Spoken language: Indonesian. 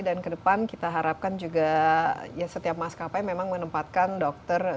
dan kedepan kita harapkan juga ya setiap maskapai memang menempatkan dokter